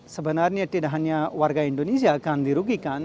sebenarnya tidak hanya warga indonesia akan dirugikan